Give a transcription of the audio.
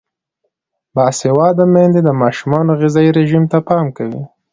باسواده میندې د ماشومانو غذايي رژیم ته پام کوي.